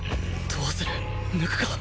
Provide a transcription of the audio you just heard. どうする抜くか！？